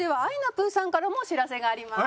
ぷぅさんからもお知らせがあります。